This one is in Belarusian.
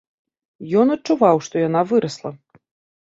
Ён адчуваў, што яна вырасла.